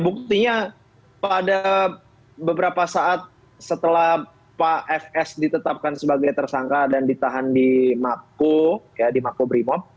buktinya pada beberapa saat setelah pak fs ditetapkan sebagai tersangka dan ditahan di mako di makobrimob